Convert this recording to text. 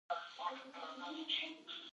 کرکټ د ډېرو خلکو د خوښي بازي ده.